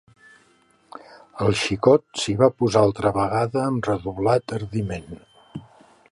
El xicot s'hi va posar altra vegada amb redoblat ardiment.